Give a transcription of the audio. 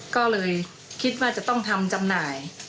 ก็เลยคิดว่าจะต้องทำจำหน่าย